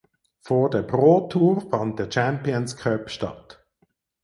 Vor der Pro Tour fand der Champions Cup statt.